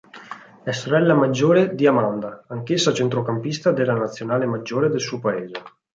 È sorella maggiore di Amanda, anch'essa centrocampista della nazionale maggiore del suo paese.